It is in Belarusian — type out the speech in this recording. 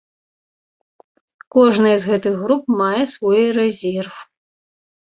Кожная з гэтых груп мае свой рэзерв.